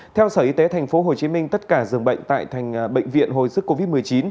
theo sở y tế tp hcm tất cả dường bệnh tại thành bệnh viện hồi sức covid một mươi chín